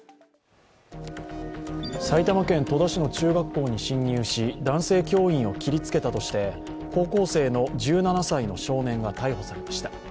埼玉県戸田市の中学校に侵入し、男性教員を切りつけたとして、高校生の１７歳の少年が逮捕されました。